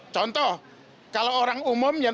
contoh kalau orang umum yang